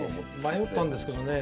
迷ったんですけどね